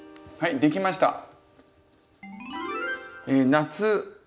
はいできました。